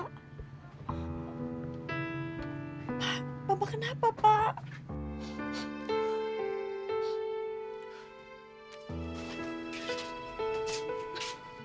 pak papa kenapa pak